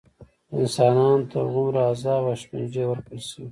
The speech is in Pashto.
انسانانو ته هغومره عذاب او شکنجې ورکړل شوې.